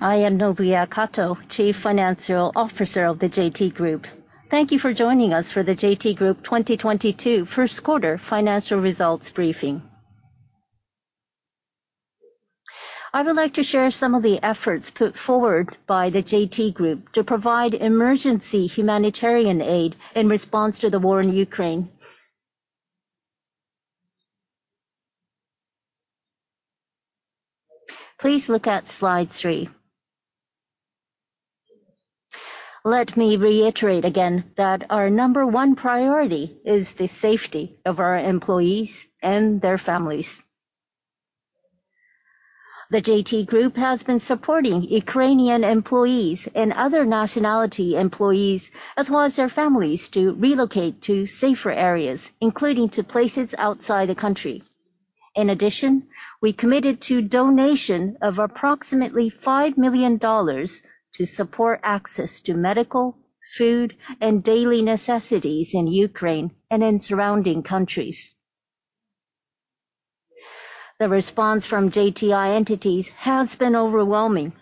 I am Nobuya Kato, Chief Financial Officer of the JT Group. Thank you for joining us for the JT Group 2022 First Quarter Financial Results briefing. I would like to share some of the efforts put forward by the JT Group to provide emergency humanitarian aid in response to the war in Ukraine. Please look at slide three. Let me reiterate again that our number one priority is the safety of our employees and their families. The JT Group has been supporting Ukrainian employees and other nationality employees, as well as their families, to relocate to safer areas, including to places outside the country. In addition, we committed to donation of approximately $5 million to support access to medical, food, and daily necessities in Ukraine and in surrounding countries. The response from JTI entities has been overwhelming,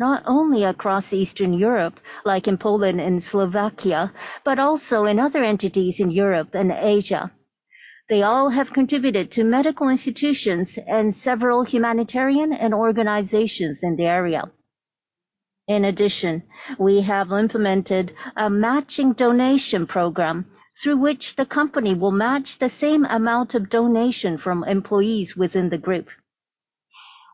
not only across Eastern Europe, like in Poland and Slovakia, but also in other entities in Europe and Asia. They all have contributed to medical institutions and several humanitarian organizations in the area. In addition, we have implemented a matching donation program through which the company will match the same amount of donation from employees within the group.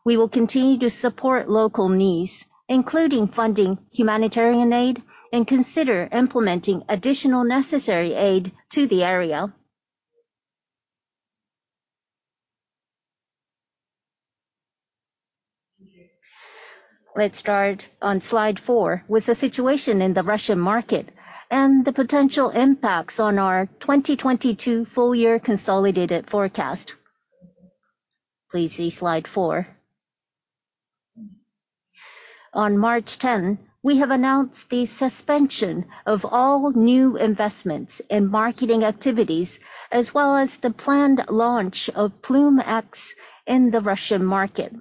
We will continue to support local needs, including funding humanitarian aid, and consider implementing additional necessary aid to the area. Let's start on slide four with the situation in the Russian market and the potential impacts on our 2022 full year consolidated forecast. Please see slide four. On March 10th, we have announced the suspension of all new investments and marketing activities, as well as the planned launch of Ploom X in the Russian market.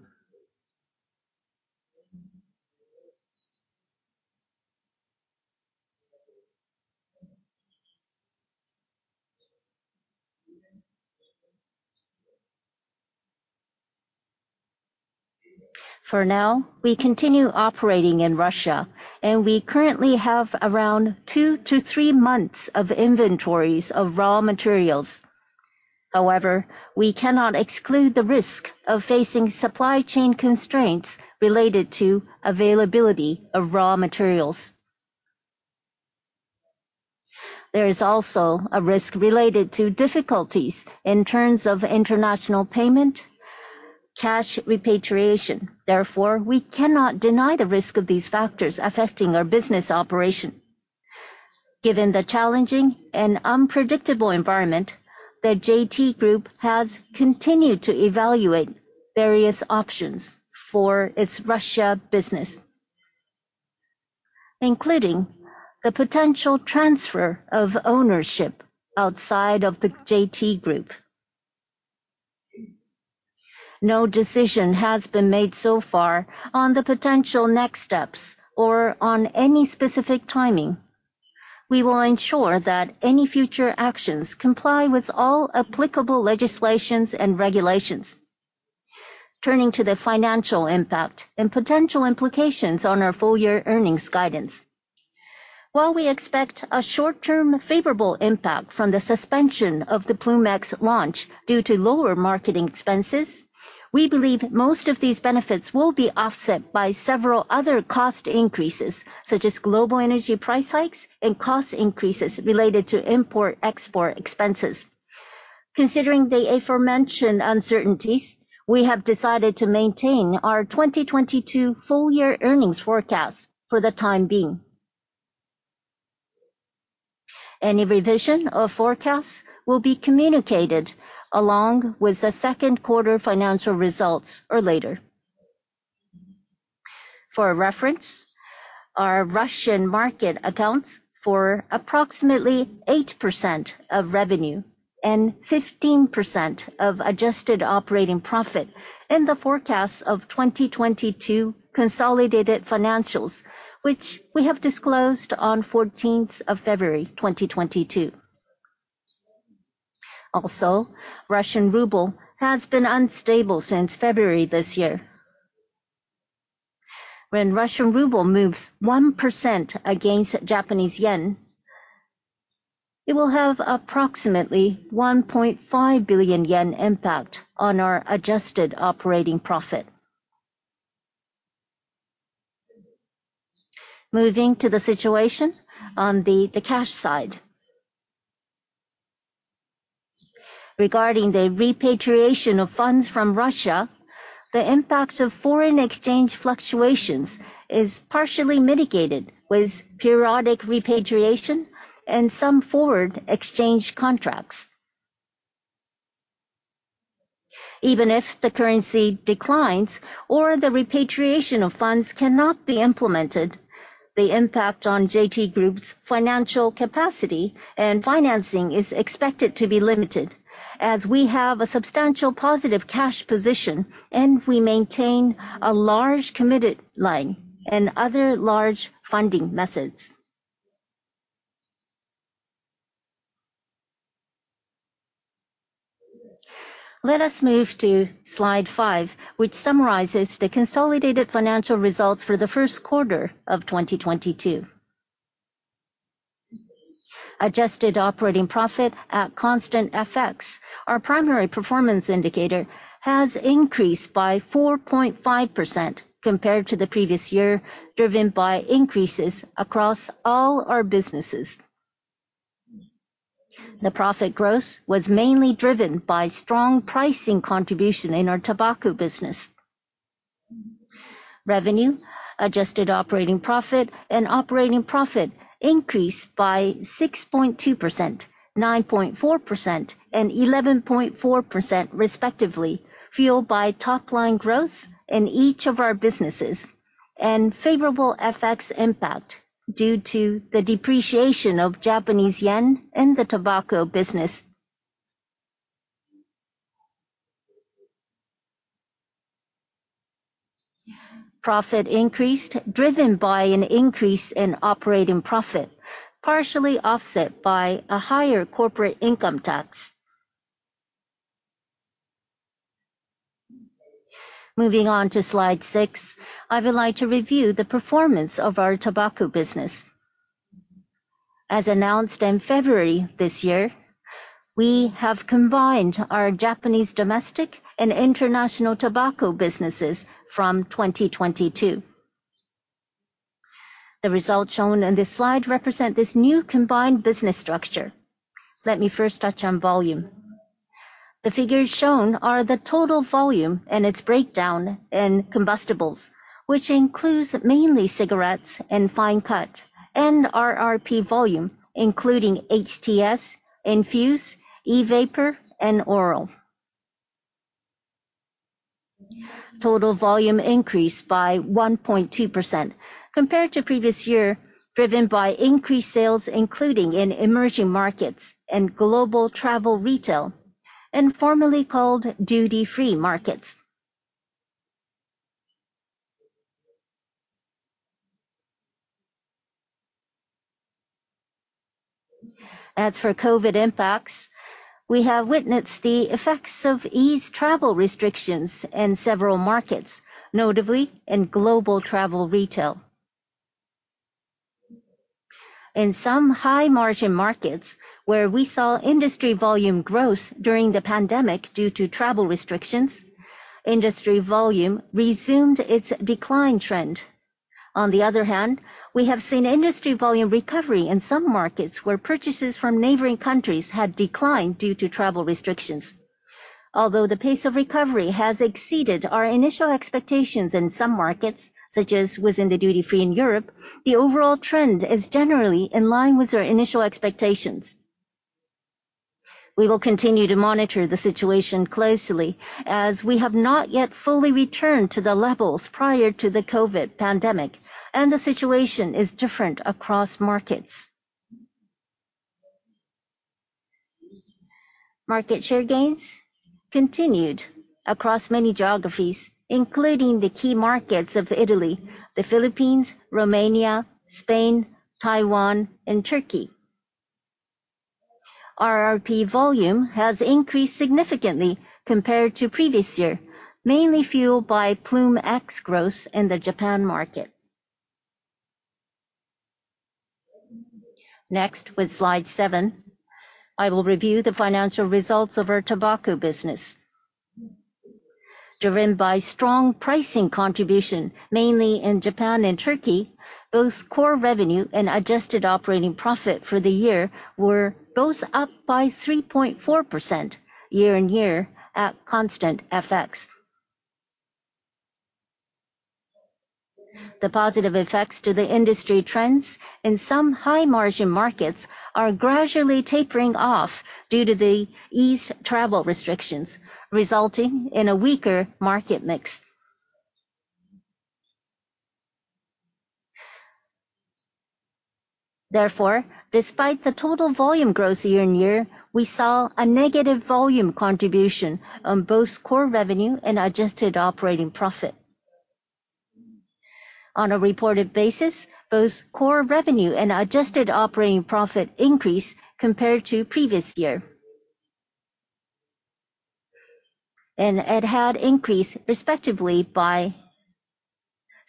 For now, we continue operating in Russia, and we currently have around two-three months of inventories of raw materials. However, we cannot exclude the risk of facing supply chain constraints related to availability of raw materials. There is also a risk related to difficulties in terms of international payment, cash repatriation. Therefore, we cannot deny the risk of these factors affecting our business operation. Given the challenging and unpredictable environment, the JT Group has continued to evaluate various options for its Russia business, including the potential transfer of ownership outside of the JT Group. No decision has been made so far on the potential next steps or on any specific timing. We will ensure that any future actions comply with all applicable legislations and regulations. Turning to the financial impact and potential implications on our full year earnings guidance. While we expect a short-term favorable impact from the suspension of the Ploom X launch due to lower marketing expenses, we believe most of these benefits will be offset by several other cost increases, such as global energy price hikes and cost increases related to import/export expenses. Considering the aforementioned uncertainties, we have decided to maintain our 2022 full year earnings forecast for the time being. Any revision of forecasts will be communicated along with the second quarter financial results or later. For reference, our Russian market accounts for approximately 8% of revenue and 15% of adjusted operating profit in the forecast of 2022 consolidated financials, which we have disclosed on February 14th, 2022. Also, Russian ruble has been unstable since February this year. When Russian ruble moves 1% against Japanese yen, it will have approximately 1.5 billion yen impact on our adjusted operating profit. Moving to the situation on the cash side. Regarding the repatriation of funds from Russia, the impact of foreign exchange fluctuations is partially mitigated with periodic repatriation and some forward exchange contracts. Even if the currency declines or the repatriation of funds cannot be implemented. The impact on JT Group's financial capacity and financing is expected to be limited as we have a substantial positive cash position, and we maintain a large committed line and other large funding methods. Let us move to slide five, which summarizes the consolidated financial results for the first quarter of 2022. Adjusted operating profit at constant FX, our primary performance indicator, has increased by 4.5% compared to the previous year, driven by increases across all our businesses. The profit growth was mainly driven by strong pricing contribution in our tobacco business. Revenue, adjusted operating profit, and operating profit increased by 6.2%, 9.4%, and 11.4% respectively, fueled by top line growth in each of our businesses and favorable FX impact due to the depreciation of Japanese yen in the tobacco business. Profit increased, driven by an increase in operating profit, partially offset by a higher corporate income tax. Moving on to slide six, I would like to review the performance of our tobacco business. As announced in February this year, we have combined our Japanese domestic and international tobacco businesses from 2022. The results shown on this slide represent this new combined business structure. Let me first touch on volume. The figures shown are the total volume and its breakdown in combustibles, which includes mainly cigarettes and fine cut, and RRP volume, including HTS, Infused, E-Vapor, and Oral. Total volume increased by 1.2% compared to previous year, driven by increased sales including in emerging markets and global travel retail and formerly called duty-free markets. As for COVID impacts, we have witnessed the effects of eased travel restrictions in several markets, notably in global travel retail. In some high-margin markets where we saw industry volume growth during the pandemic due to travel restrictions, industry volume resumed its decline trend. On the other hand, we have seen industry volume recovery in some markets where purchases from neighboring countries had declined due to travel restrictions. Although the pace of recovery has exceeded our initial expectations in some markets, such as within the duty-free in Europe, the overall trend is generally in line with our initial expectations. We will continue to monitor the situation closely as we have not yet fully returned to the levels prior to the COVID pandemic, and the situation is different across markets. Market share gains continued across many geographies, including the key markets of Italy, the Philippines, Romania, Spain, Taiwan, and Turkey. RRP volume has increased significantly compared to previous year, mainly fueled by Ploom X growth in the Japan market. Next, with slide seven, I will review the financial results of our tobacco business. Driven by strong pricing contribution, mainly in Japan and Turkey, both core revenue and adjusted operating profit for the year were both up by 3.4% year-on-year at constant FX. The positive effects to the industry trends in some high-margin markets are gradually tapering off due to the eased travel restrictions, resulting in a weaker market mix. Therefore, despite the total volume growth year-on-year, we saw a negative volume contribution on both core revenue and adjusted operating profit. On a reported basis, both core revenue and adjusted operating profit increased compared to previous year. It had increased respectively by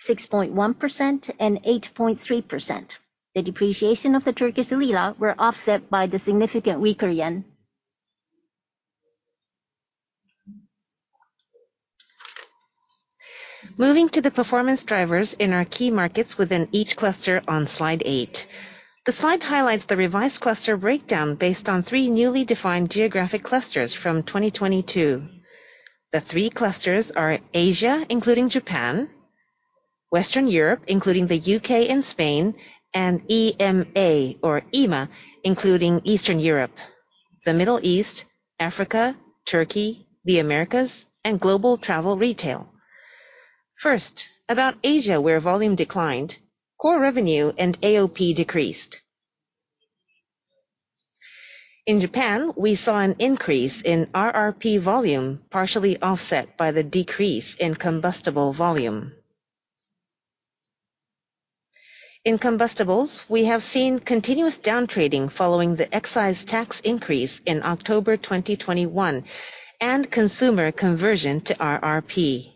6.1% and 8.3%. The depreciation of the Turkish lira were offset by the significantly weaker yen. Moving to the performance drivers in our key markets within each cluster on slide eight. The slide highlights the revised cluster breakdown based on three newly defined geographic clusters from 2022. The three clusters are Asia, including Japan, Western Europe, including the U.K. and Spain, and EMEA, including Eastern Europe. The Middle East, Africa, Turkey, the Americas, and global travel retail. First, about Asia, where volume declined, core revenue and AOP decreased. In Japan, we saw an increase in RRP volume, partially offset by the decrease in combustible volume. In combustibles, we have seen continuous downtrading following the excise tax increase in October 2021, and consumer conversion to RRP.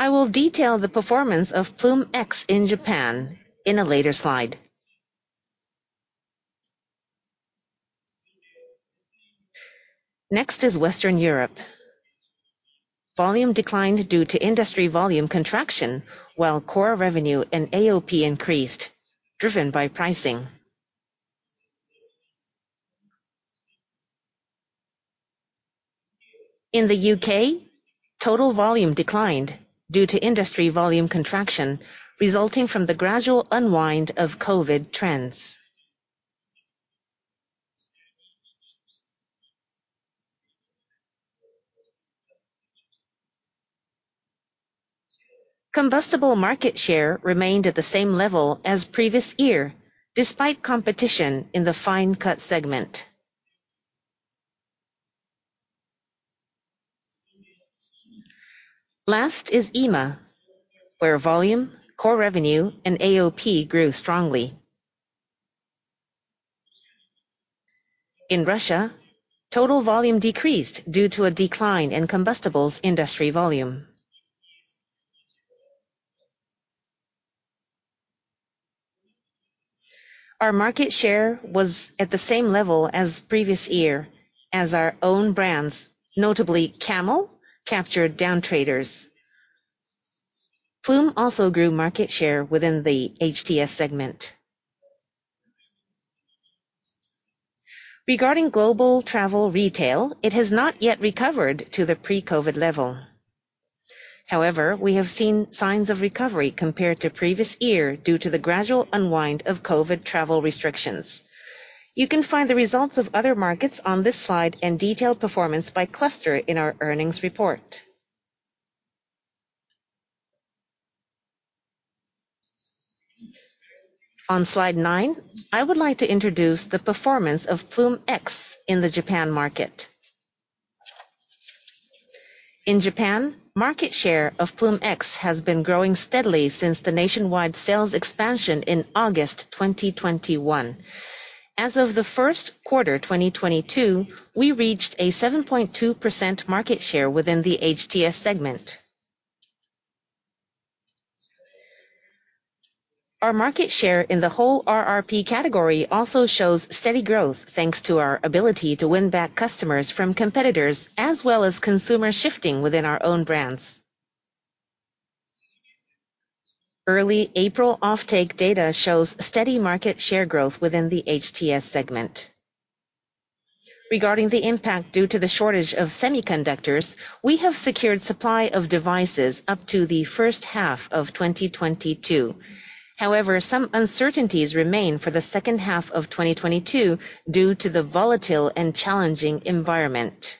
I will detail the performance of Ploom X in Japan in a later slide. Next is Western Europe. Volume declined due to industry volume contraction, while core revenue and AOP increased, driven by pricing. In the U.K., total volume declined due to industry volume contraction resulting from the gradual unwind of COVID trends. Combustible market share remained at the same level as previous year, despite competition in the fine cut segment. Last is EMA, where volume, core revenue, and AOP grew strongly. In Russia, total volume decreased due to a decline in combustibles industry volume. Our market share was at the same level as previous year as our own brands, notably Camel, captured down traders. Ploom also grew market share within the HTS segment. Regarding global travel retail, it has not yet recovered to the pre-COVID level. However, we have seen signs of recovery compared to previous year due to the gradual unwind of COVID travel restrictions. You can find the results of other markets on this slide, and detailed performance by cluster in our earnings report. On slide nine, I would like to introduce the performance of Ploom X in the Japan market. In Japan, market share of Ploom X has been growing steadily since the nationwide sales expansion in August 2021. As of the first quarter 2022, we reached a 7.2% market share within the HTS segment. Our market share in the whole RRP category also shows steady growth, thanks to our ability to win back customers from competitors, as well as consumer shifting within our own brands. Early April offtake data shows steady market share growth within the HTS segment. Regarding the impact due to the shortage of semiconductors, we have secured supply of devices up to the first half of 2022. However, some uncertainties remain for the second half of 2022 due to the volatile and challenging environment.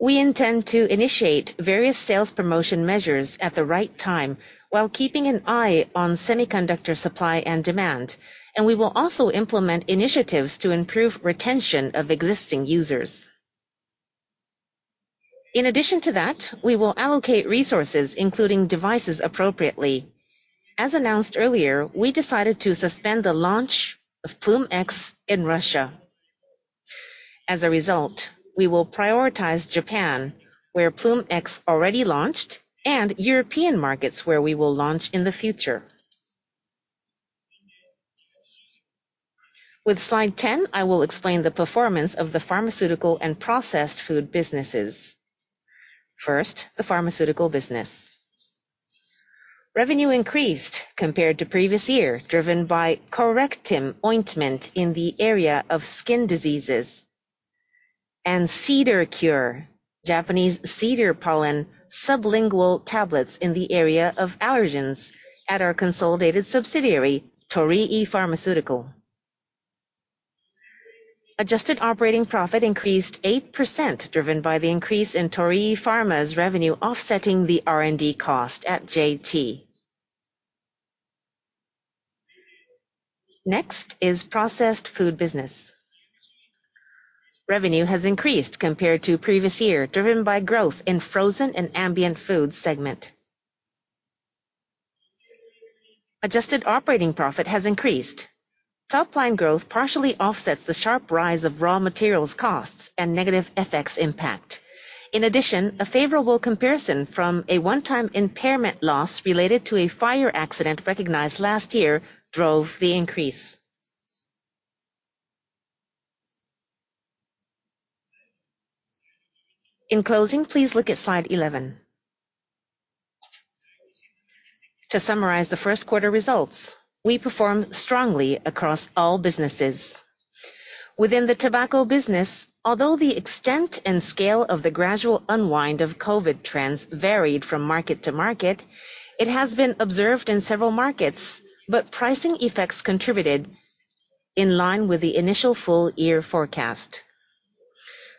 We intend to initiate various sales promotion measures at the right time while keeping an eye on semiconductor supply and demand, and we will also implement initiatives to improve retention of existing users. In addition to that, we will allocate resources, including devices, appropriately. As announced earlier, we decided to suspend the launch of Ploom X in Russia. As a result, we will prioritize Japan, where Ploom X already launched, and European markets, where we will launch in the future. With slide 10, I will explain the performance of the pharmaceutical and processed food businesses. First, the pharmaceutical business. Revenue increased compared to previous year, driven by CORECTIM ointment in the area of skin diseases and CEDARCURE, Japanese Cedar Pollen Sublingual Tablets in the area of allergens at our consolidated subsidiary, Torii Pharmaceutical. Adjusted operating profit increased 8%, driven by the increase in Torii Pharma's revenue offsetting the R&D cost at JT. Next is processed food business. Revenue has increased compared to previous year, driven by growth in frozen and ambient foods segment. Adjusted operating profit has increased. Top-line growth partially offsets the sharp rise of raw materials costs and negative FX impact. In addition, a favorable comparison from a one-time impairment loss related to a fire accident recognized last year drove the increase. In closing, please look at slide 11. To summarize the first quarter results, we performed strongly across all businesses. Within the tobacco business, although the extent and scale of the gradual unwind of COVID trends varied from market to market, it has been observed in several markets, but pricing effects contributed in line with the initial full-year forecast.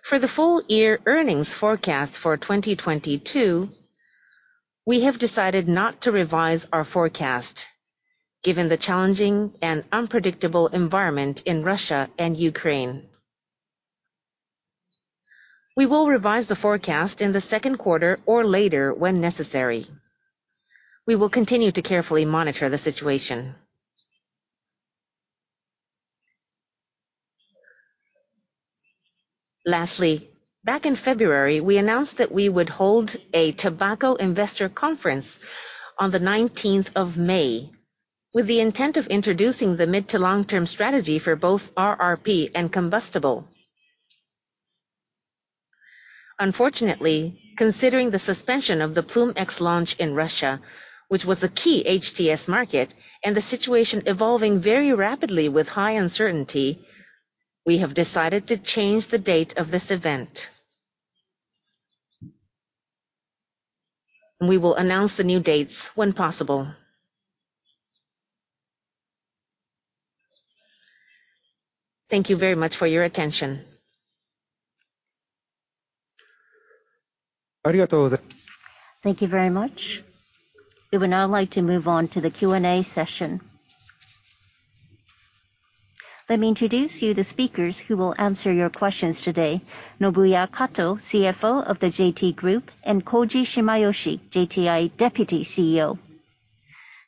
For the full-year earnings forecast for 2022, we have decided not to revise our forecast given the challenging and unpredictable environment in Russia and Ukraine. We will revise the forecast in the second quarter or later when necessary. We will continue to carefully monitor the situation. Lastly, back in February, we announced that we would hold a tobacco investor conference on the nineteenth of May with the intent of introducing the mid- to long-term strategy for both RRP and combustible. Unfortunately, considering the suspension of the Ploom X launch in Russia, which was a key HTS market, and the situation evolving very rapidly with high uncertainty, we have decided to change the date of this event. We will announce the new dates when possible. Thank you very much for your attention. Thank you very much. We would now like to move on to the Q&A session. Let me introduce you to the speakers who will answer your questions today, Nobuya Kato, CFO of the JT Group, and Koji Shimayoshi, JTI Deputy CEO.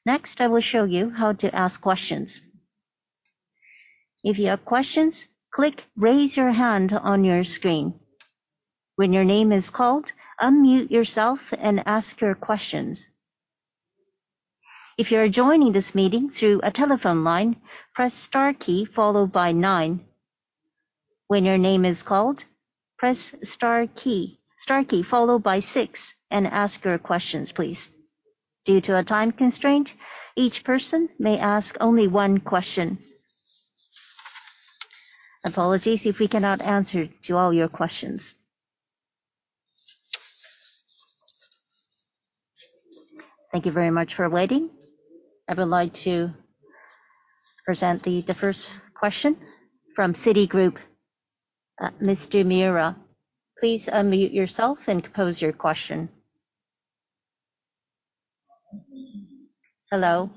Next, I will show you how to ask questions. If you have questions, click Raise Your Hand on your screen. When your name is called, unmute yourself and ask your questions. If you are joining this meeting through a telephone line, press star key followed by nine. When your name is called, press star key followed by six and ask your questions, please. Due to a time constraint, each person may ask only one question. Apologies if we cannot answer all your questions. Thank you very much for waiting. I would like to present the first question from Citigroup. Mr. Miura, please unmute yourself and pose your question. Hello,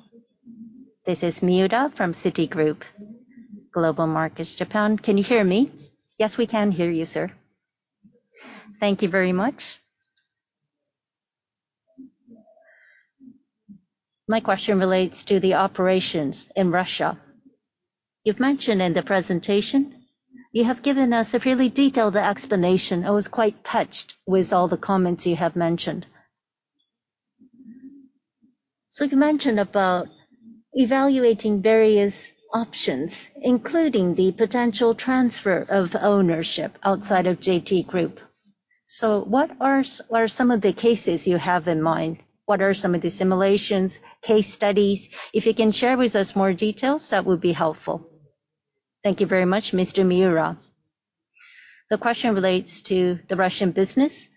this is Miura from Citigroup Global Markets Japan. Can you hear me? Yes, we can hear you, sir. Thank you very much. My question relates to the operations in Russia. You've mentioned in the presentation, you have given us a really detailed explanation. I was quite touched with all the comments you have mentioned. You mentioned about evaluating various options, including the potential transfer of ownership outside of JT Group. What are some of the cases you have in mind? What are some of the simulations, case studies? If you can share with us more details, that would be helpful. Thank you very much, Mr. Miura. The question relates to the Russian business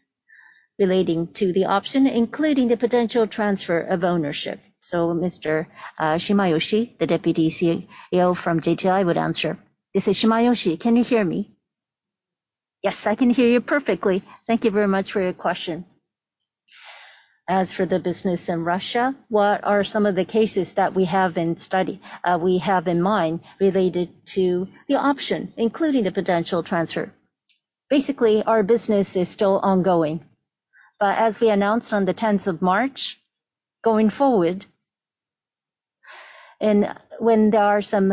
relating to the option, including the potential transfer of ownership. Mr. Shimayoshi, the Deputy CEO from JTI, would answer this. Mr. Shimayoshi can you hear me? Yes, I can hear you perfectly. Thank you very much for your question. As for the business in Russia, what are some of the cases that we have in mind related to the option, including the potential transfer? Basically, our business is still ongoing. As we announced on the tenth of March, going forward, and when there are some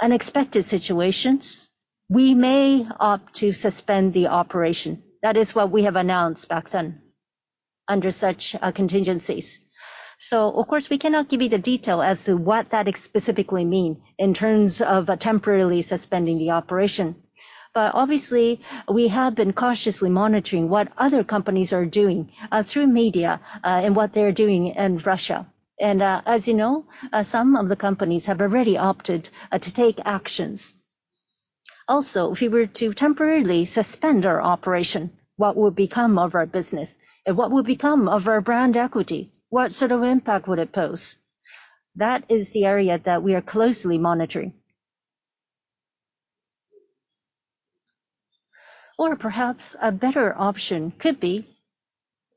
unexpected situations, we may opt to suspend the operation. That is what we have announced back then under such contingencies. Of course, we cannot give you the detail as to what that specifically mean in terms of temporarily suspending the operation. Obviously, we have been cautiously monitoring what other companies are doing through media, and what they're doing in Russia. As you know, some of the companies have already opted to take actions. Also, if we were to temporarily suspend our operation, what will become of our business and what will become of our brand equity? What sort of impact would it pose? That is the area that we are closely monitoring. Or perhaps a better option could be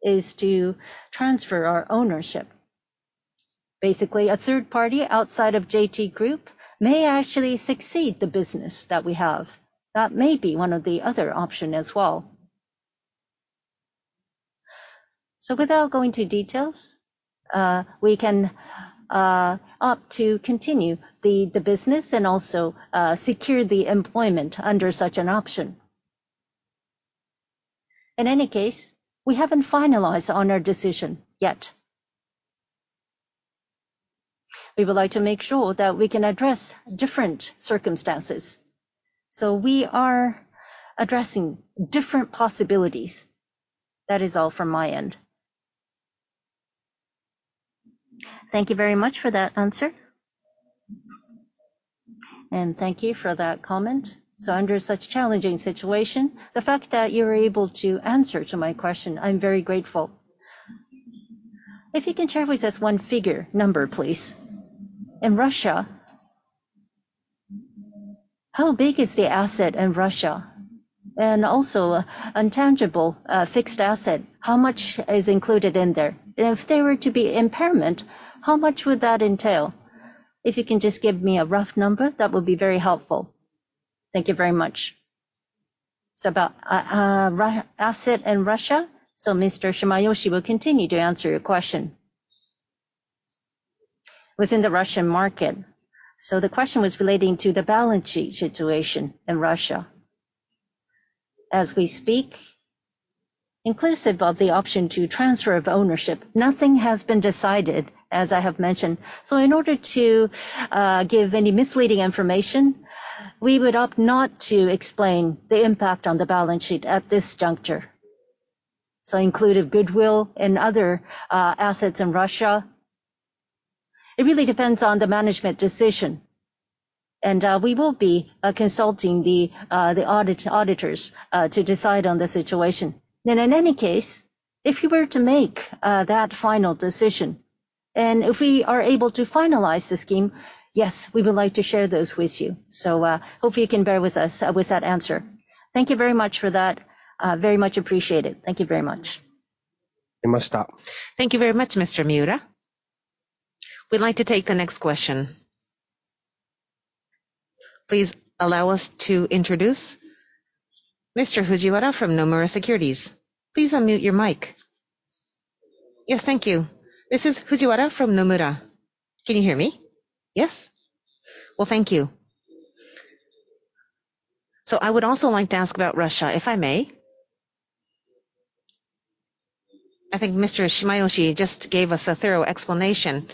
is to transfer our ownership. Basically, a third party outside of JT Group may actually succeed the business that we have. That may be one of the other option as well. Without going to details, we can opt to continue the business and also secure the employment under such an option. In any case, we haven't finalized on our decision yet. We would like to make sure that we can address different circumstances. We are addressing different possibilities. That is all from my end. Thank you very much for that answer. Thank you for that comment. Under such challenging situation, the fact that you were able to answer to my question, I'm very grateful. If you can share with us one figure, number, please. In Russia, how big is the asset in Russia? And also, intangible, fixed asset, how much is included in there? If they were to be impairment, how much would that entail? If you can just give me a rough number, that would be very helpful. Thank you very much. About Russian asset in Russia, Mr. Shimayoshi will continue to answer your question. It was in the Russian market, so the question was relating to the balance sheet situation in Russia. As we speak, inclusive of the option to transfer of ownership, nothing has been decided, as I have mentioned. In order not to give any misleading information, we would opt not to explain the impact on the balance sheet at this juncture. Inclusive of goodwill and other assets in Russia, it really depends on the management decision. We will be consulting the auditors to decide on the situation. In any case, if we were to make that final decision, and if we are able to finalize the scheme, yes, we would like to share those with you. Hope you can bear with us with that answer. Thank you very much for that. Very much appreciated. Thank you very much. Thank you very much, Mr. Miura. We'd like to take the next question. Please allow us to introduce Mr. Fujiwara from Nomura Securities. Please unmute your mic. Yes, thank you. This is Fujiwara from Nomura. Can you hear me? Yes. Well, thank you. I would also like to ask about Russia, if I may. I think Mr. Shimayoshi just gave us a thorough explanation.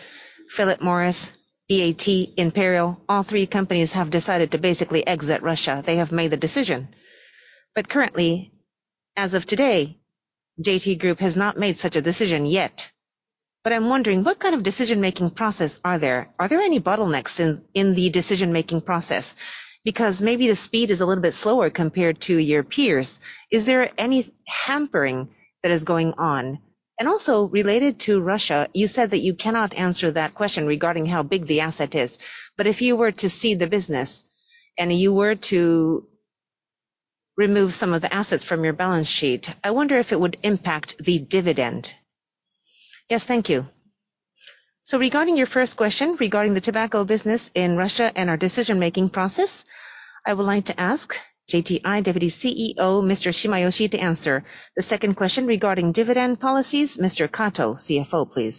Philip Morris, BAT, Imperial, all three companies have decided to basically exit Russia. They have made the decision. Currently, as of today, JT Group has not made such a decision yet. I'm wondering, what kind of decision-making process are there? Are there any bottlenecks in the decision-making process? Because maybe the speed is a little bit slower compared to your peers. Is there any hampering that is going on? Also, related to Russia, you said that you cannot answer that question regarding how big the asset is. If you were to cede the business, and you were to remove some of the assets from your balance sheet, I wonder if it would impact the dividend. Yes, thank you. Regarding your first question regarding the tobacco business in Russia and our decision-making process, I would like to ask JTI Deputy CEO, Mr. Shimayoshi, to answer. The second question regarding dividend policies, Mr. Kato, CFO, please.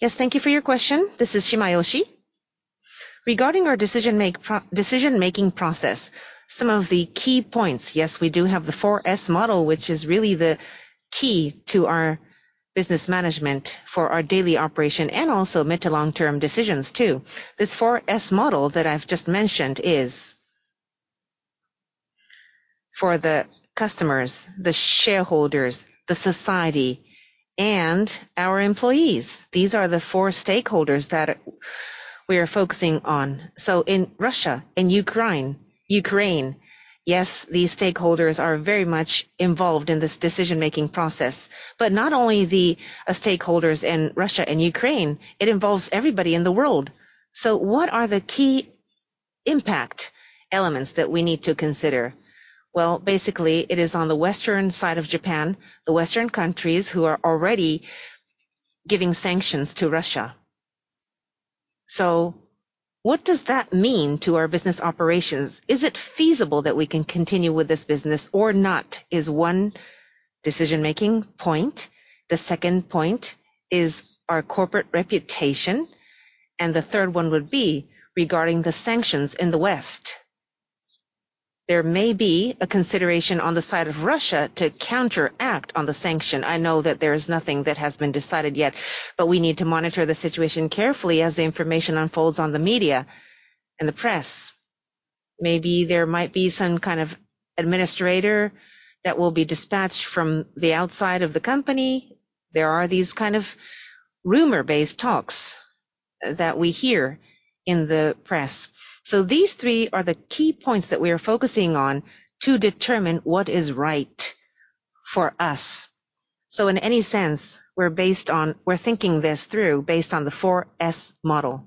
Yes, thank you for your question. This is Shimayoshi. Regarding our decision-making process, some of the key points, yes, we do have the 4S model, which is really the key to our business management for our daily operation and also mid to long-term decisions too. This 4S model that I've just mentioned is for the customers, the shareholders, the society, and our employees. These are the four stakeholders that we are focusing on. In Russia and Ukraine, yes, these stakeholders are very much involved in this decision-making process. Not only the stakeholders in Russia and Ukraine, it involves everybody in the world. What are the key impact elements that we need to consider? Well, basically, it is on the western side of Japan, the Western countries who are already giving sanctions to Russia. What does that mean to our business operations? Is it feasible that we can continue with this business or not, is one decision-making point. The second point is our corporate reputation, and the third one would be regarding the sanctions in the West. There may be a consideration on the side of Russia to counteract on the sanction. I know that there is nothing that has been decided yet, but we need to monitor the situation carefully as the information unfolds on the media and the press. Maybe there might be some kind of administrator that will be dispatched from the outside of the company. There are these kind of rumor-based talks that we hear in the press. These three are the key points that we are focusing on to determine what is right for us. In any sense, we're based on... We're thinking this through based on the 4S model.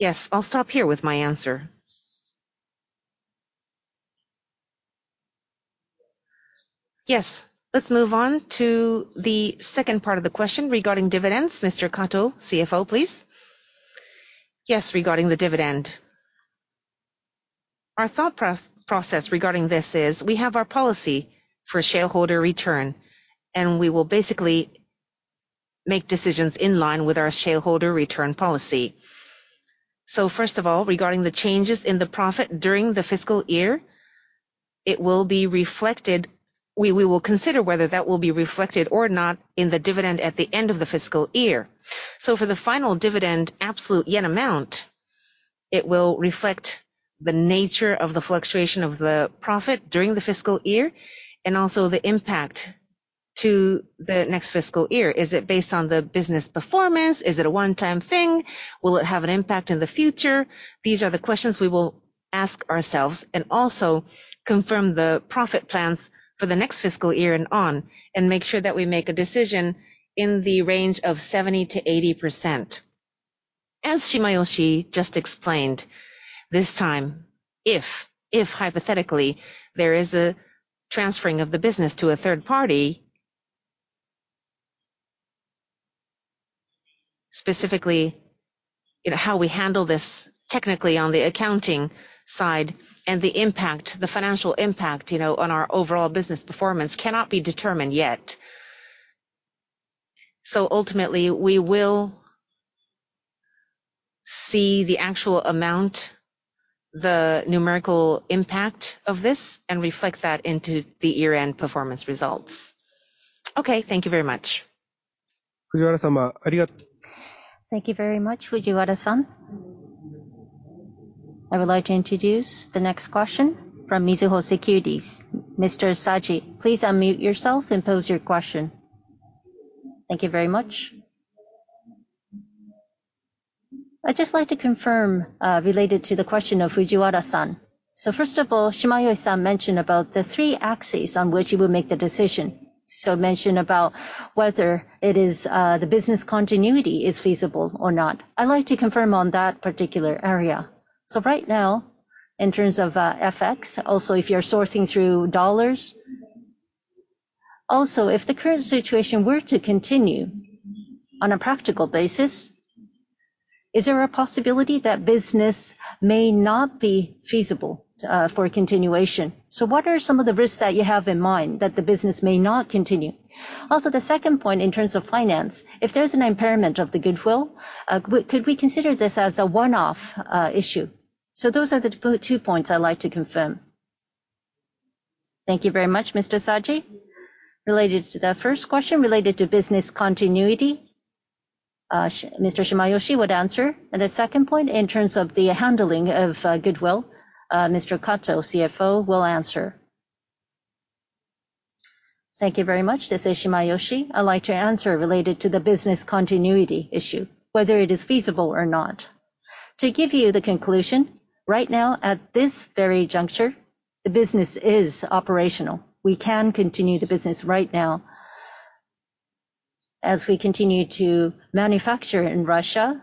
Yes, I'll stop here with my answer. Yes. Let's move on to the second part of the question regarding dividends. Mr. Nobuya Kato, CFO, please. Yes, regarding the dividend. Our thought process regarding this is we have our policy for shareholder return, and we will basically make decisions in line with our shareholder return policy. First of all, regarding the changes in the profit during the fiscal year, it will be reflected. We will consider whether that will be reflected or not in the dividend at the end of the fiscal year. For the final dividend absolute JPY amount, it will reflect the nature of the fluctuation of the profit during the fiscal year and also the impact to the next fiscal year. Is it based on the business performance? Is it a one-time thing? Will it have an impact in the future? These are the questions we will ask ourselves and also confirm the profit plans for the next fiscal year and on, and make sure that we make a decision in the range of 70%-80%. As Shimayoshi just explained, this time, if hypothetically there is a transferring of the business to a third party, specifically, you know, how we handle this technically on the accounting side and the impact, the financial impact, you know, on our overall business performance cannot be determined yet. Ultimately we will see the actual amount, the numerical impact of this and reflect that into the year-end performance results. Okay, thank you very much. Thank you very much, Fujiwara-san. I would like to introduce the next question from Mizuho Securities. Mr. Saji, please unmute yourself and pose your question. Thank you very much. I'd just like to confirm, related to the question of Fujiwara-san. First of all, Shimayoshi-san mentioned about the three axes on which you will make the decision. Mention about whether it is, the business continuity is feasible or not. I'd like to confirm on that particular area. Right now, in terms of, FX, also if you're sourcing through dollars. Also, if the current situation were to continue on a practical basis, is there a possibility that business may not be feasible, for continuation? What are some of the risks that you have in mind that the business may not continue? The second point in terms of finance, if there's an impairment of the goodwill, could we consider this as a one-off issue? Those are the two points I'd like to confirm. Thank you very much, Mr. Saji. Related to the first question, related to business continuity, Mr. Shimayoshi would answer. The second point, in terms of the handling of goodwill, Mr. Kato, CFO, will answer. Thank you very much. This is Shimayoshi. I'd like to answer related to the business continuity issue, whether it is feasible or not. To give you the conclusion, right now at this very juncture, the business is operational. We can continue the business right now. As we continue to manufacture in Russia,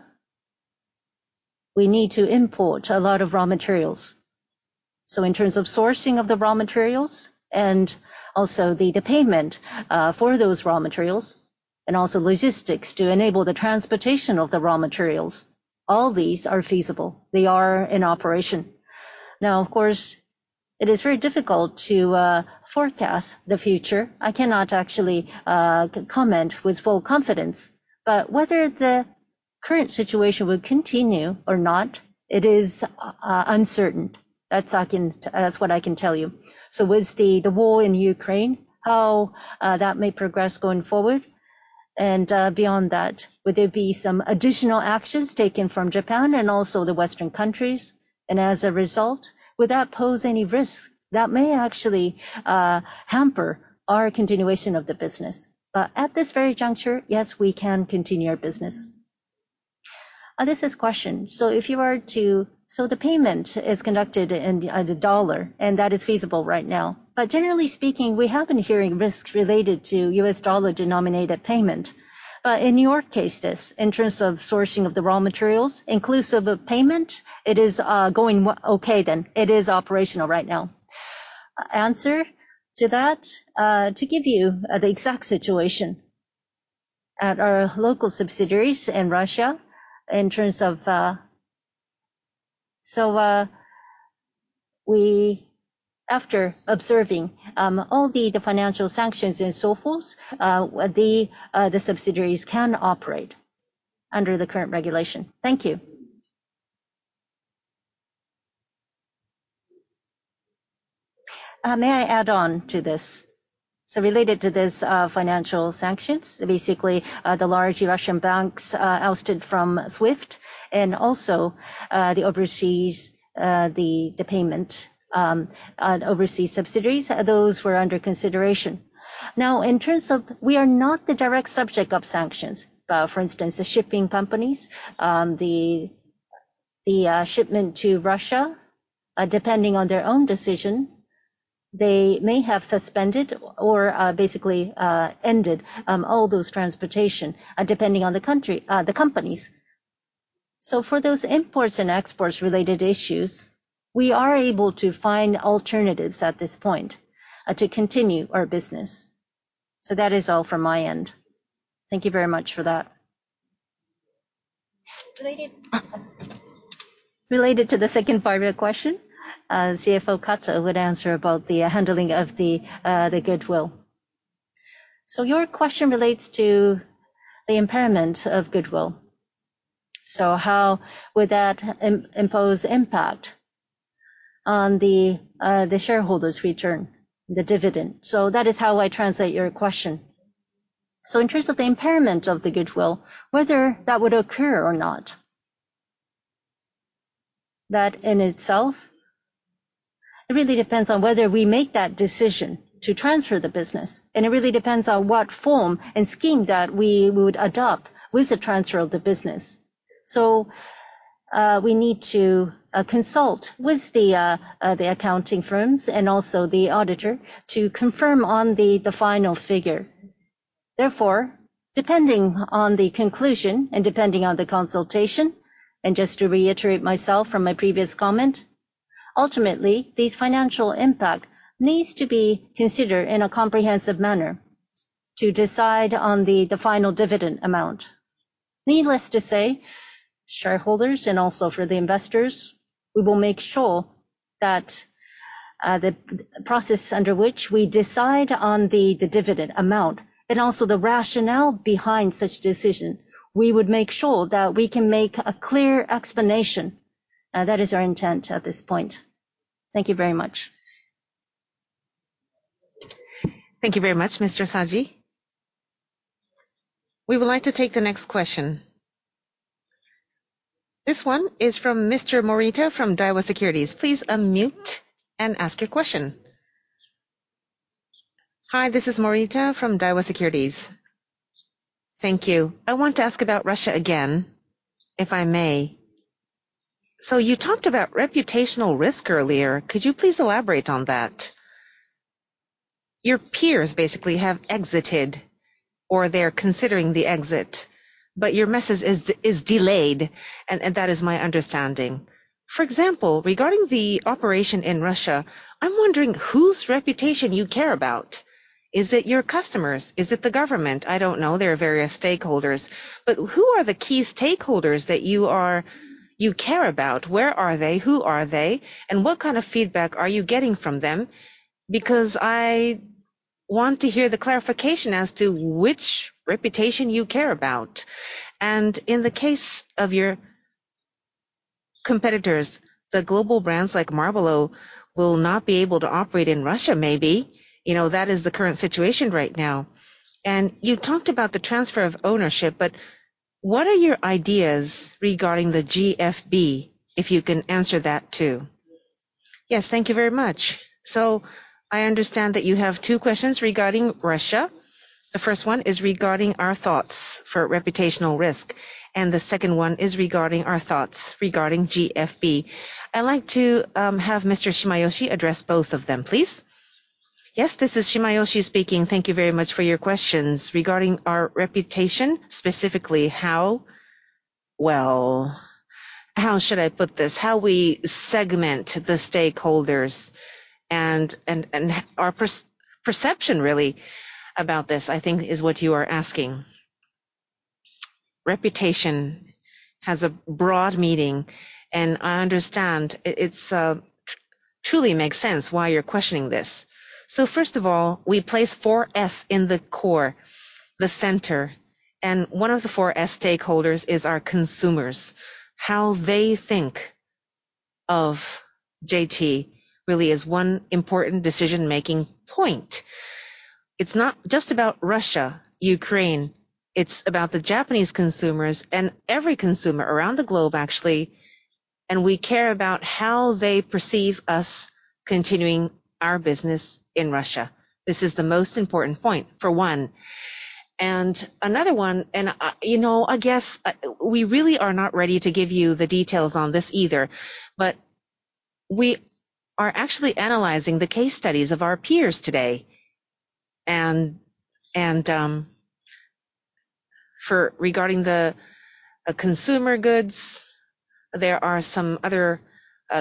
we need to import a lot of raw materials. In terms of sourcing of the raw materials and also the payment for those raw materials and also logistics to enable the transportation of the raw materials, all these are feasible. They are in operation. Now, of course, it is very difficult to forecast the future. I cannot actually comment with full confidence, but whether the current situation will continue or not, it is uncertain. That's what I can tell you. With the war in Ukraine, how that may progress going forward and, beyond that, would there be some additional actions taken from Japan and also the Western countries? And as a result, would that pose any risk that may actually hamper our continuation of the business? At this very juncture, yes, we can continue our business. This is question. The payment is conducted in the US dollar, and that is feasible right now. Generally speaking, we have been hearing risks related to US dollar-denominated payment. In your case, in terms of sourcing of the raw materials, inclusive of payment, it is operational right now. To answer that, to give you the exact situation at our local subsidiaries in Russia, in terms of. We, after observing all the financial sanctions and so forth, the subsidiaries can operate under the current regulation. Thank you. May I add on to this? Related to this, financial sanctions, basically, the large Russian banks ousted from SWIFT and also the overseas payment to overseas subsidiaries were under consideration. Now, in terms of, we are not the direct subject of sanctions. For instance, the shipping companies, the shipment to Russia, depending on their own decision, they may have suspended or basically ended all those transportation depending on the country, the companies. For those imports and exports related issues, we are able to find alternatives at this point to continue our business. That is all from my end. Thank you very much for that. Related to the second part of your question, CFO Kato would answer about the handling of the goodwill. Your question relates to the impairment of goodwill. How would that impose impact on the shareholders' return, the dividend? That is how I translate your question. In terms of the impairment of the goodwill, whether that would occur or not, that in itself, it really depends on whether we make that decision to transfer the business, and it really depends on what form and scheme that we would adopt with the transfer of the business. We need to consult with the accounting firms and also the auditor to confirm on the final figure. Therefore, depending on the conclusion and depending on the consultation, and just to reiterate myself from my previous comment, ultimately, this financial impact needs to be considered in a comprehensive manner to decide on the final dividend amount. Needless to say, shareholders and also for the investors, we will make sure that the process under which we decide on the dividend amount and also the rationale behind such decision, we would make sure that we can make a clear explanation. That is our intent at this point. Thank you very much. Thank you very much, Mr. Saji. We would like to take the next question. This one is from Mr. Morita from Daiwa Securities. Please unmute and ask your question. Hi, this is Morita from Daiwa Securities. Thank you. I want to ask about Russia again, if I may. You talked about reputational risk earlier. Could you please elaborate on that? Your peers basically have exited or they're considering the exit, but your message is delayed, and that is my understanding. For example, regarding the operation in Russia, I'm wondering whose reputation you care about. Is it your customers? Is it the government? I don't know. There are various stakeholders. Who are the key stakeholders that you care about? Where are they? Who are they? What kind of feedback are you getting from them? Because I want to hear the clarification as to which reputation you care about. In the case of your competitors, the global brands like Marlboro will not be able to operate in Russia, maybe. You know, that is the current situation right now. You talked about the transfer of ownership, but what are your ideas regarding the GFB, if you can answer that too? Yes, thank you very much. I understand that you have two questions regarding Russia. The first one is regarding our thoughts for reputational risk, and the second one is regarding our thoughts regarding GFB. I'd like to have Mr. Shimayoshi address both of them, please. Yes, this is Shimayoshi speaking. Thank you very much for your questions. Regarding our reputation, specifically. Well, how should I put this? How we segment the stakeholders and our perception really about this, I think, is what you are asking. Reputation has a broad meaning, and I understand it. It truly makes sense why you're questioning this. First of all, we place 4S in the core, the center, and one of the 4S stakeholders is our consumers. How they think of JT really is one important decision-making point. It's not just about Russia, Ukraine. It's about the Japanese consumers and every consumer around the globe, actually, and we care about how they perceive us continuing our business in Russia. This is the most important point, for one. Another one, you know, I guess, we really are not ready to give you the details on this either, but we are actually analyzing the case studies of our peers today. Regarding the consumer goods, there are some other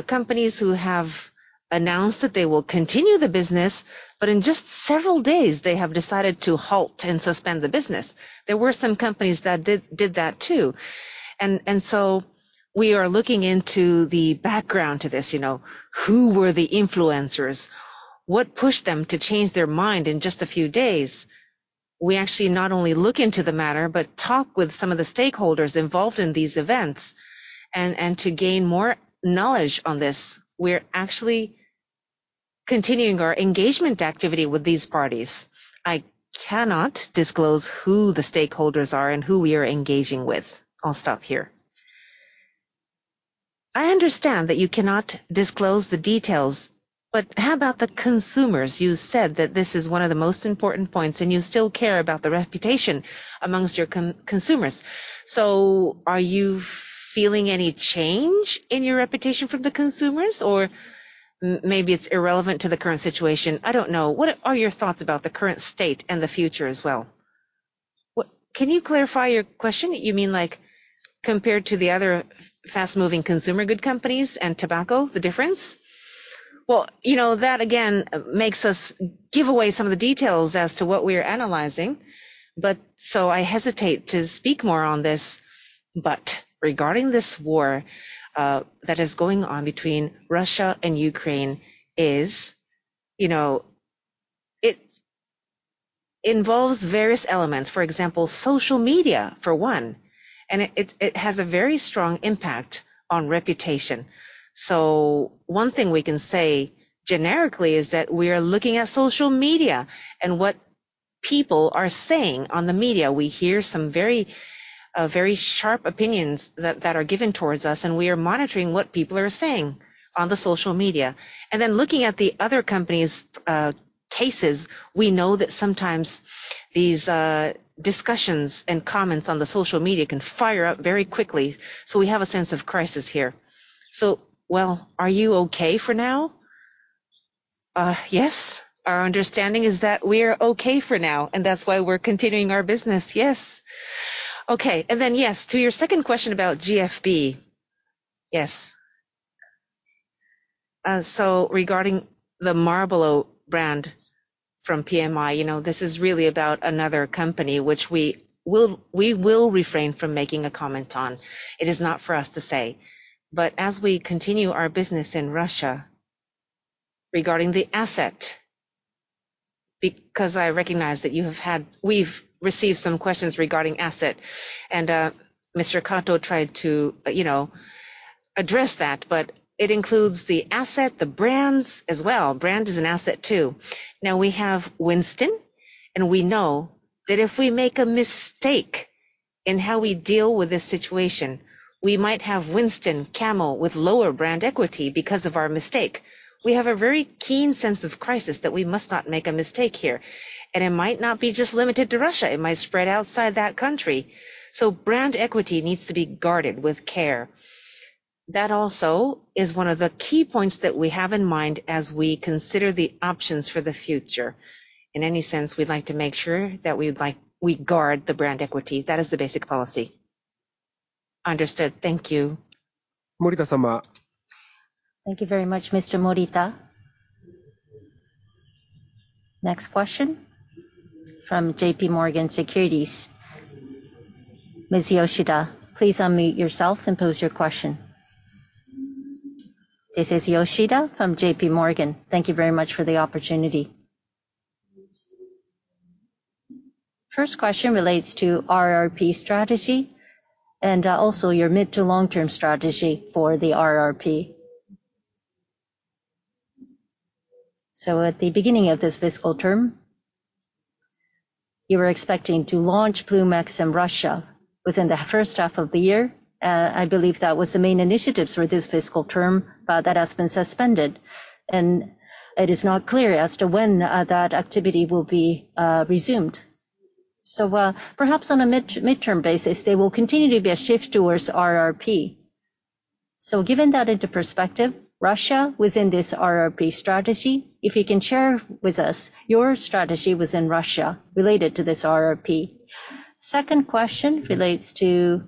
companies who have announced that they will continue the business, but in just several days, they have decided to halt and suspend the business. There were some companies that did that too. We are looking into the background to this, you know. Who were the influencers? What pushed them to change their mind in just a few days? We actually not only look into the matter, but talk with some of the stakeholders involved in these events. To gain more knowledge on this, we're actually continuing our engagement activity with these parties. I cannot disclose who the stakeholders are and who we are engaging with. I'll stop here. I understand that you cannot disclose the details, but how about the consumers? You said that this is one of the most important points, and you still care about the reputation among your consumers. Are you feeling any change in your reputation from the consumers? Maybe it's irrelevant to the current situation. I don't know. What are your thoughts about the current state and the future as well? What? Can you clarify your question? You mean like compared to the other fast-moving consumer goods companies and tobacco, the difference? Well, you know, that again makes us give away some of the details as to what we are analyzing, but I hesitate to speak more on this. Regarding this war that is going on between Russia and Ukraine, you know, it involves various elements. For example, social media, for one, and it has a very strong impact on reputation. One thing we can say generically is that we are looking at social media and what people are saying on the media. We hear some very sharp opinions that are given towards us, and we are monitoring what people are saying on the social media. Looking at the other companies' cases, we know that sometimes these discussions and comments on the social media can fire up very quickly, so we have a sense of crisis here. Well, are you okay for now? Yes. Our understanding is that we are okay for now, and that's why we're continuing our business. Yes. Okay. Yes, to your second question about GFB. Yes. Regarding the Marlboro brand from PMI, you know, this is really about another company which we will refrain from making a comment on. It is not for us to say. But as we continue our business in Russia, regarding the asset, because I recognize that we've received some questions regarding asset, and Mr. Kato tried to, you know, address that, but it includes the asset, the brands as well. Brand is an asset too. Now we have Winston, and we know that if we make a mistake in how we deal with this situation, we might have Winston, Camel, with lower brand equity because of our mistake. We have a very keen sense of crisis that we must not make a mistake here. It might not be just limited to Russia, it might spread outside that country. Brand equity needs to be guarded with care. That also is one of the key points that we have in mind as we consider the options for the future. In any sense, we'd like to make sure that we guard the brand equity. That is the basic policy. Understood. Thank you. Morita-sama. Thank you very much, Mr. Morita. Next question from JPMorgan Securities. Ms. Yoshida, please unmute yourself and pose your question. This is Yoshida from JPMorgan. Thank you very much for the opportunity. First question relates to RRP strategy and also your mid to long-term strategy for the RRP. At the beginning of this fiscal term, you were expecting to launch Ploom X in Russia within the first half of the year. I believe that was the main initiatives for this fiscal term that has been suspended, and it is not clear as to when that activity will be resumed. Perhaps on a midterm basis, there will continue to be a shift towards RRP. Given that into perspective, Russia within this RRP strategy, if you can share with us your strategy within Russia related to this RRP. Second question relates to.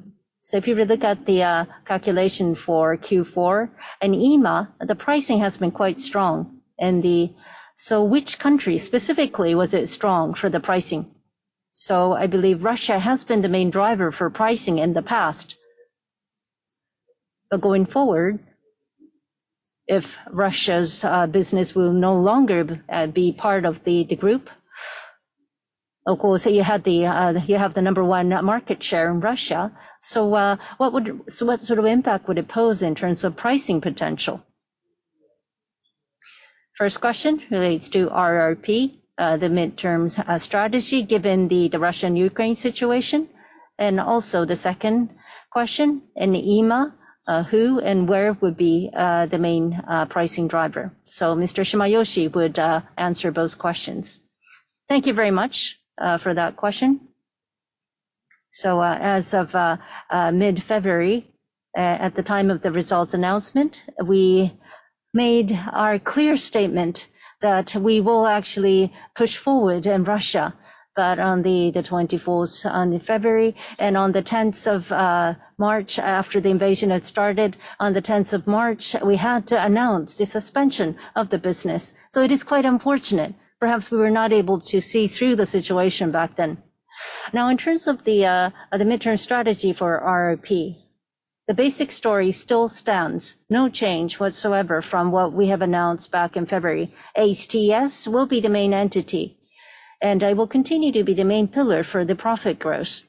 If you were to look at the calculation for Q4, in EMEA, the pricing has been quite strong. Which country specifically was it strong for the pricing? I believe Russia has been the main driver for pricing in the past. Going forward, if Russia's business will no longer be part of the group, of course, you have the number one market share in Russia. What sort of impact would it pose in terms of pricing potential? First question relates to RRP, the mid-term strategy given the Russia and Ukraine situation. The second question, in EMEA, who and where would be the main pricing driver? Mr. Shimayoshi would answer both questions. Thank you very much for that question. As of mid-February, at the time of the results announcement, we made our clear statement that we will actually push forward in Russia. On the 24th of February and on the tenth of March, after the invasion had started, on the tenth of March, we had to announce the suspension of the business. It is quite unfortunate. Perhaps we were not able to see through the situation back then. Now, in terms of the midterm strategy for RRP, the basic story still stands. No change whatsoever from what we have announced back in February. HTS will be the main entity, and it will continue to be the main pillar for the profit growth.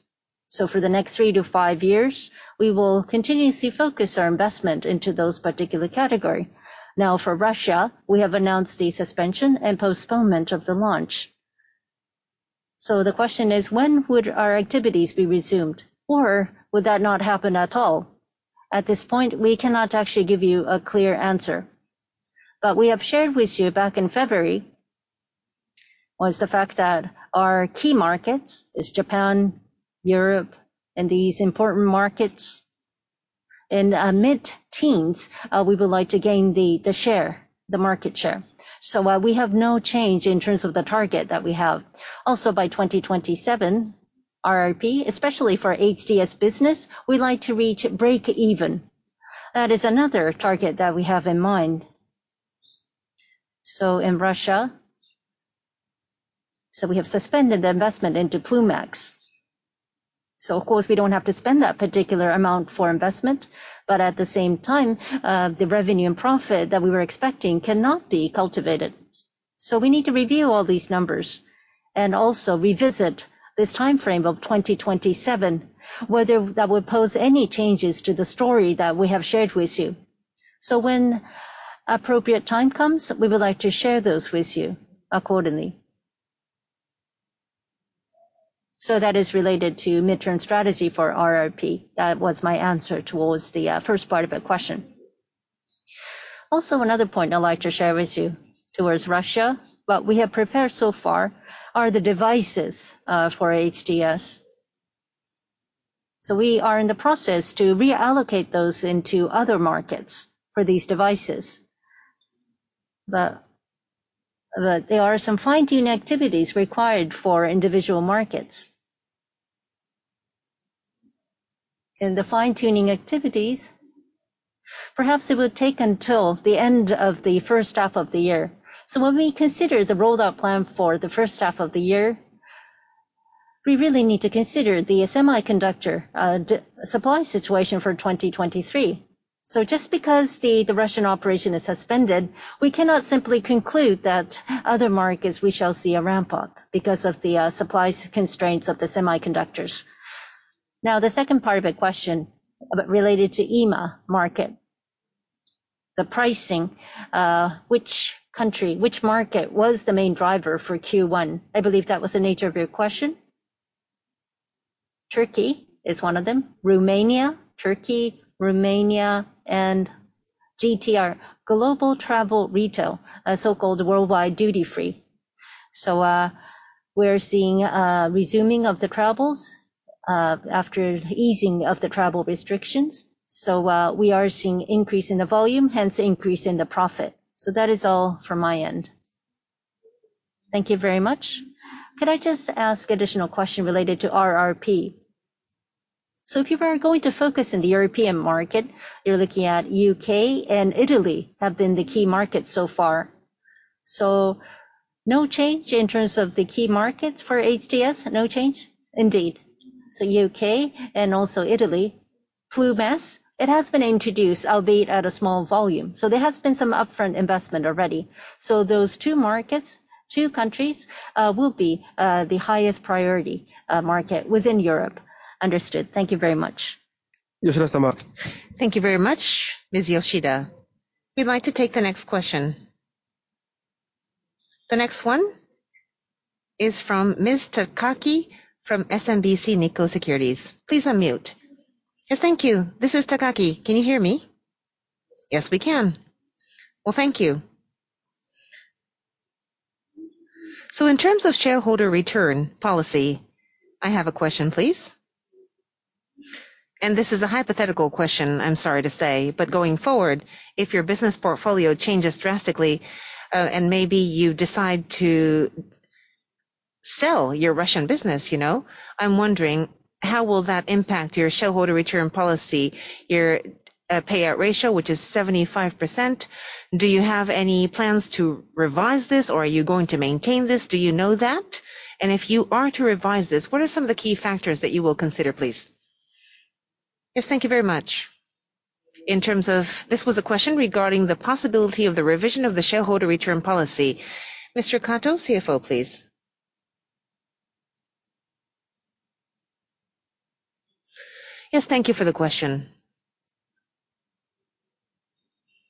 For the next three-five years, we will continuously focus our investment into those particular category. Now for Russia, we have announced the suspension and postponement of the launch. The question is when would our activities be resumed or would that not happen at all? At this point, we cannot actually give you a clear answer. We have shared with you back in February was the fact that our key markets is Japan, Europe, and these important markets. In mid-teens, we would like to gain the market share. We have no change in terms of the target that we have. Also by 2027, RRP, especially for HTS business, we'd like to reach break even. That is another target that we have in mind. In Russia, we have suspended the investment into Ploom X. Of course, we don't have to spend that particular amount for investment, but at the same time, the revenue and profit that we were expecting cannot be cultivated. We need to review all these numbers and also revisit this timeframe of 2027, whether that would pose any changes to the story that we have shared with you. When appropriate time comes, we would like to share those with you accordingly. That is related to midterm strategy for RRP. That was my answer towards the first part of your question. Also, another point I'd like to share with you towards Russia, what we have prepared so far are the devices for HTS. We are in the process to reallocate those into other markets for these devices. But there are some fine-tune activities required for individual markets. In the fine-tuning activities, perhaps it will take until the end of the first half of the year. When we consider the rollout plan for the first half of the year, we really need to consider the semiconductor supply situation for 2023. Just because the Russian operation is suspended, we cannot simply conclude that other markets we shall see a ramp-up because of the supply constraints of the semiconductors. Now, the second part of your question, but related to EMEA market, the pricing, which country, which market was the main driver for Q1? I believe that was the nature of your question. Turkey is one of them. Romania, Turkey, Romania, and GTR, Global Travel Retail, a so-called worldwide duty-free. We're seeing a resuming of the travels after easing of the travel restrictions. We are seeing increase in the volume, hence increase in the profit. That is all from my end. Thank you very much. Could I just ask additional question related to RRP? If you are going to focus in the European market, you're looking at U.K. and Italy have been the key markets so far. No change in terms of the key markets for HTS? No change, indeed. So U.K. and also Italy, Ploom X, it has been introduced, albeit at a small volume. There has been some upfront investment already. Those two markets, two countries, will be the highest priority market within Europe. Understood. Thank you very much. Thank you very much, Ms. Yoshida. We'd like to take the next question. The next one is from Ms. Takagi from SMBC Nikko Securities. Please unmute. Yes, thank you. This is Takagi. Can you hear me? Yes, we can. Well, thank you. In terms of shareholder return policy, I have a question, please. This is a hypothetical question, I'm sorry to say, but going forward, if your business portfolio changes drastically, and maybe you decide to sell your Russian business, you know, I'm wondering how will that impact your shareholder return policy, your payout ratio, which is 75%. Do you have any plans to revise this, or are you going to maintain this? Do you know that? And if you are to revise this, what are some of the key factors that you will consider, please? Yes, thank you very much. In terms of... This was a question regarding the possibility of the revision of the shareholder return policy. Mr. Kato, CFO, please. Yes, thank you for the question.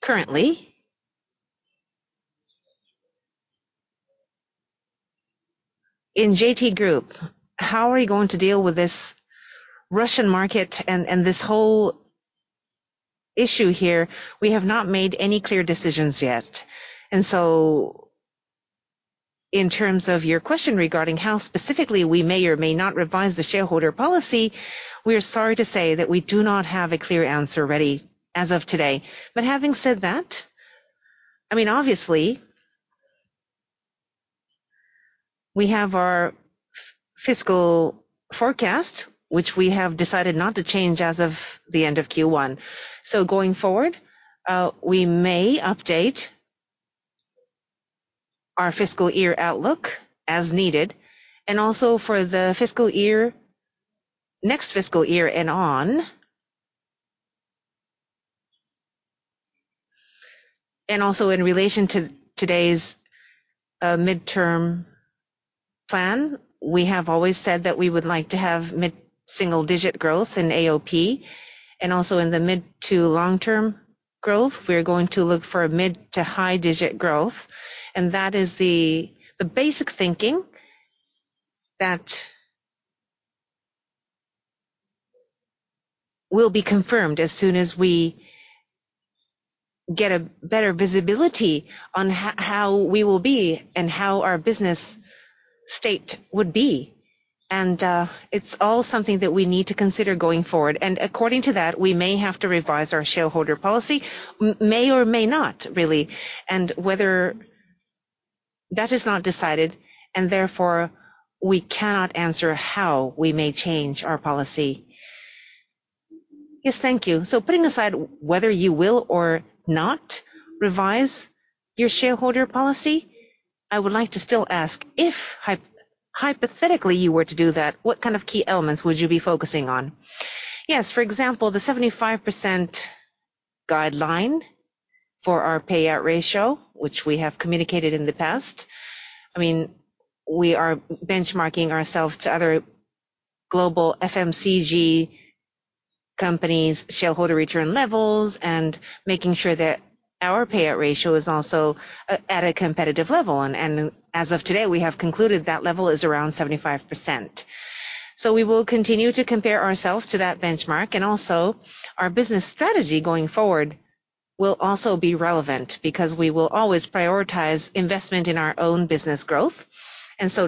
Currently, in JT Group, how are you going to deal with this Russian market and this whole issue here? We have not made any clear decisions yet. In terms of your question regarding how specifically we may or may not revise the shareholder policy, we are sorry to say that we do not have a clear answer ready as of today. Having said that, I mean, obviously, we have our fiscal forecast, which we have decided not to change as of the end of Q1. Going forward, we may update our fiscal year outlook as needed and also for the fiscal year, next fiscal year and on. Also in relation to today's midterm plan, we have always said that we would like to have mid-single digit growth in AOP and also in the mid- to long-term growth, we are going to look for a mid- to high digit growth. That is the basic thinking that will be confirmed as soon as we get a better visibility on how we will be and how our business state would be. It's all something that we need to consider going forward. According to that, we may have to revise our shareholder policy, may or may not, really. Whether that is not decided, and therefore we cannot answer how we may change our policy. Yes. Thank you. Putting aside whether you will or not revise your shareholder policy, I would like to still ask, if hypothetically you were to do that, what kind of key elements would you be focusing on? Yes. For example, the 75% guideline for our payout ratio, which we have communicated in the past. I mean, we are benchmarking ourselves to other global FMCG companies' shareholder return levels and making sure that our payout ratio is also at a competitive level. As of today, we have concluded that level is around 75%. We will continue to compare ourselves to that benchmark. Our business strategy going forward will also be relevant, because we will always prioritize investment in our own business growth.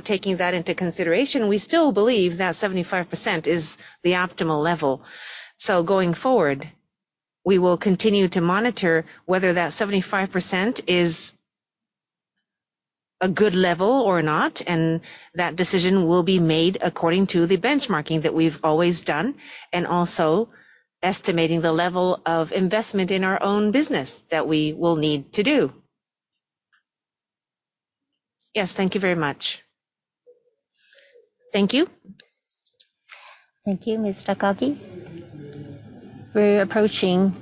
Taking that into consideration, we still believe that 75% is the optimal level. Going forward, we will continue to monitor whether that 75% is a good level or not. That decision will be made according to the benchmarking that we've always done and also estimating the level of investment in our own business that we will need to do. Yes. Thank you very much. Thank you. Thank you, Ms. Takagi. We're approaching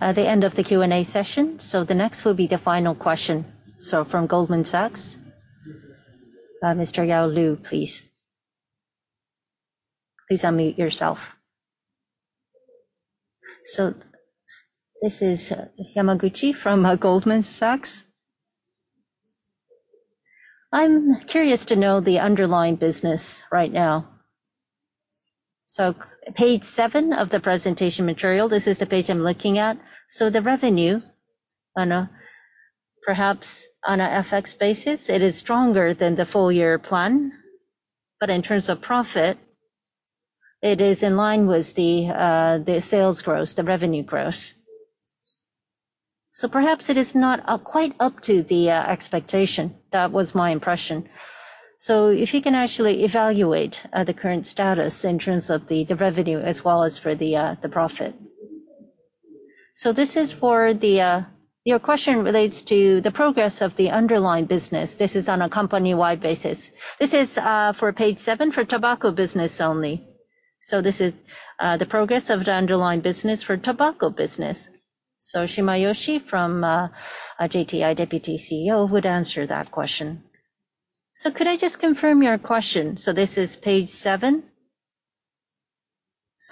the end of the Q&A session, so the next will be the final question. From Goldman Sachs, Mr. Keiko Yamaguchi, please. Please unmute yourself. This is Yamaguchi from Goldman Sachs. I'm curious to know the underlying business right now. Page seven of the presentation material, this is the page I'm looking at. The revenue on a perhaps on a FX basis, it is stronger than the full year plan. In terms of profit, it is in line with the sales growth, the revenue growth. Perhaps it is not quite up to the expectation. That was my impression. If you can actually evaluate the current status in terms of the revenue as well as for the profit. Your question relates to the progress of the underlying business. This is on a company-wide basis. This is for page seven for tobacco business only. This is the progress of the underlying business for tobacco business. Koji Shimayoshi, JTI Deputy CEO, would answer that question. Could I just confirm your question? This is page seven.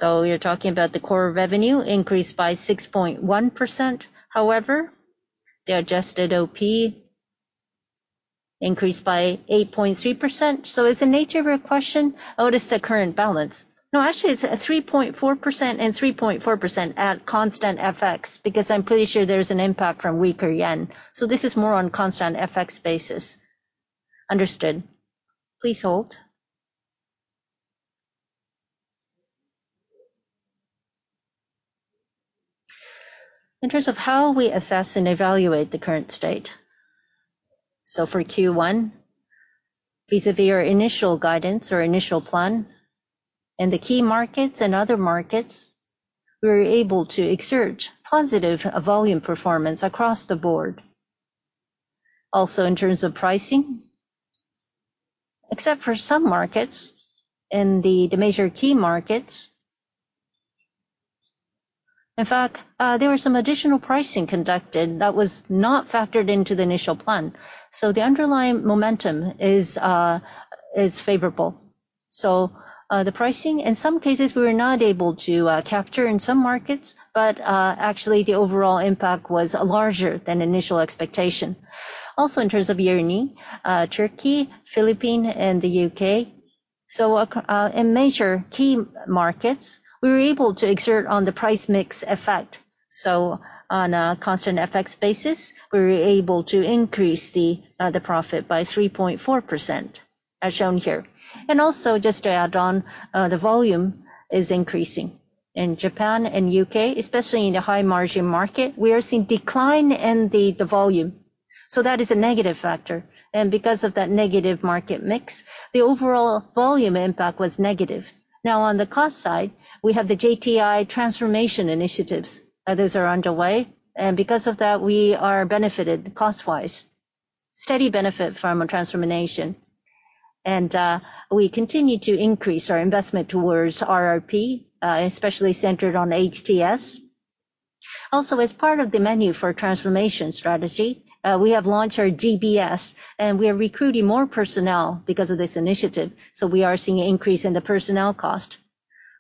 You're talking about the core revenue increased by 6.1%. However, the adjusted OP increased by 8.3%. Is the nature of your question? Oh, it is the current balance. No, actually it's a 3.4% and 3.4% at constant FX, because I'm pretty sure there's an impact from weaker yen. This is more on constant FX basis. Understood. Please hold. In terms of how we assess and evaluate the current state, for Q1, vis-à-vis our initial guidance or initial plan in the key markets and other markets, we were able to exert positive volume performance across the board. In terms of pricing, except for some markets in the major key markets, in fact, there were some additional pricing conducted that was not factored into the initial plan. The underlying momentum is favorable. The pricing, in some cases, we were not able to capture in some markets, but actually, the overall impact was larger than initial expectation. In terms of year-on-year, Turkey, Philippines, and the U.K. In major key markets, we were able to exert on the price mix effect. On a constant FX basis, we were able to increase the profit by 3.4%, as shown here. Just to add on, the volume is increasing. In Japan and U.K., especially in the high-margin market, we are seeing decline in the volume. That is a negative factor. Because of that negative market mix, the overall volume impact was negative. Now, on the cost side, we have the JTI transformation initiatives. Those are underway. Because of that, we are benefited cost-wise. Steady benefit from a transformation. We continue to increase our investment towards RRP, especially centered on HTS. Also, as part of the menu for transformation strategy, we have launched our DBS, and we are recruiting more personnel because of this initiative. We are seeing an increase in the personnel cost.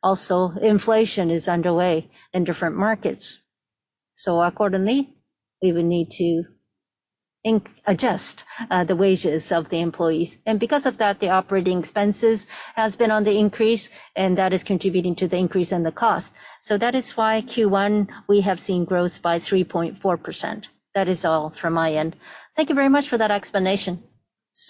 Also, inflation is underway in different markets. Accordingly, we will need to adjust the wages of the employees. Because of that, the operating expenses has been on the increase, and that is contributing to the increase in the cost. That is why Q1, we have seen growth by 3.4%. That is all from my end. Thank you very much for that explanation.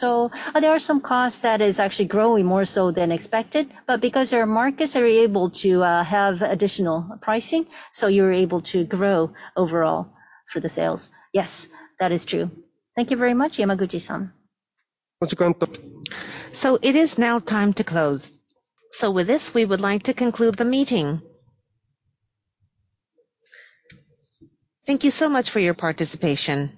Are there some costs that is actually growing more so than expected, but because your markets are able to, have additional pricing, so you're able to grow overall for the sales? Yes. That is true. Thank you very much, Yamaguchi-san. It is now time to close. With this, we would like to conclude the meeting. Thank you so much for your participation.